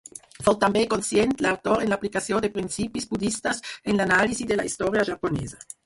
Fou també conscient l'autor en l'aplicació de principis budistes en l'anàlisi de la història japonesa.